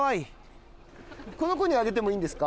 この子にあげてもいいんですか？